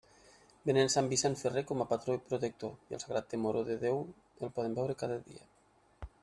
Veneren sant Vicent Ferrer com a patró i protector, i el sagrat temor de Déu el poden veure cada dia.